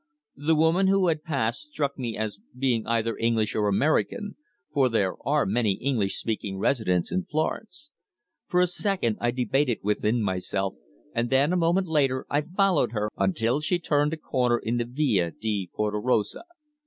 The woman who had passed struck me as being either English or American, for there are many English speaking residents in Florence. For a second I debated within myself, and then a moment later I followed her until she turned a corner in the Via di Porta Rossa.